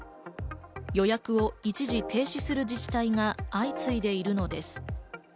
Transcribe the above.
予約を一時停止する自治体が相次いでいるのです。